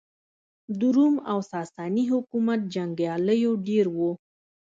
د روم او ساسا ني حکومت جنګیالېیو ډېر وو.